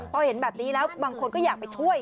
เมื่อเห็นแบบนี้แล้วก็บางคนอยากไปช่วย